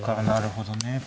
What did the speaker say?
なるほどね。